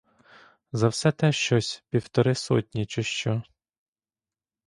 За все те щось півтори сотні, чи що.